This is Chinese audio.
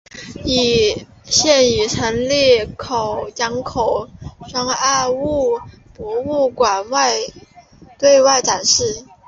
现已成立江口汉崖墓博物馆对外展示。